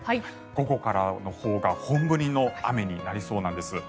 午後からのほうが本降りの雨になりそうなんです。